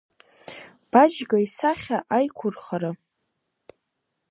Баџьга исахьа аиқәырхара.